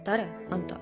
あんた。